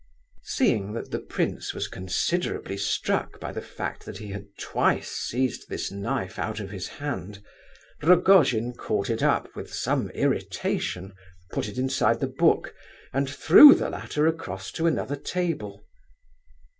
Seeing that the prince was considerably struck by the fact that he had twice seized this knife out of his hand, Rogojin caught it up with some irritation, put it inside the book, and threw the latter across to another table.